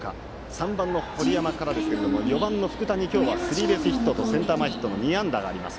３番、堀山からですが４番、福田に今日はスリーベースヒットとセンター前ヒットの２安打があります。